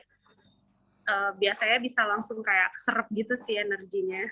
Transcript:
karena biasanya bisa langsung kayak serep gitu sih energinya